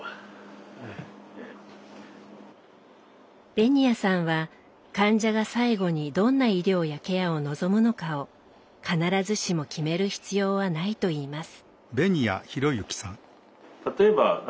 紅谷さんは患者が最後にどんな医療やケアを望むのかを必ずしも決める必要はないといいます。